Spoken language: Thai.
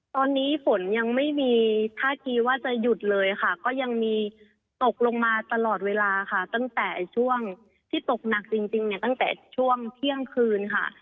ตอนนี้ฝนยังไม่มีท่าทีว่าจะหยุดเลยค่ะก็ยังมีตกลงมาตลอดเวลาค่ะตั้งแต่ช่วงที่ตกหนักจริงเนี่ยตั้งแต่ช่วงเที่ยงคืนค่ะ